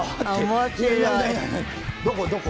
どこ？